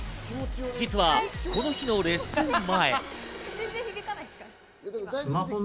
実はこの日のレッスン前。